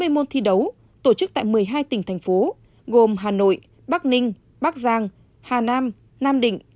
hai mươi môn thi đấu tổ chức tại một mươi hai tỉnh thành phố gồm hà nội bắc ninh bắc giang hà nam nam định